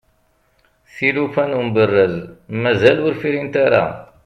tilufa n umberrez mazal ur frint ara